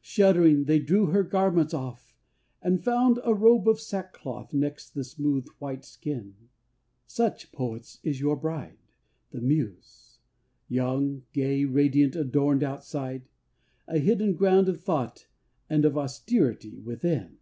Shuddering, they drew her garments off and found A robe of sackcloth next the smooth, white skin. Such, poets, is your bride, the Muse! young, gay, Radiant, adorned outside; a hidden ground Of thought and of austerity within.